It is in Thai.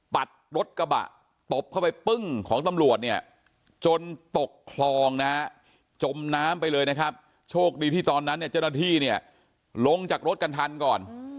ปัดรถกระบะตบเข้าไปปึ้งของตำรวจเนี่ยจนตกคลองนะฮะจมน้ำไปเลยนะครับโชคดีที่ตอนนั้นเนี่ยเจ้าหน้าที่เนี่ยลงจากรถกันทันก่อน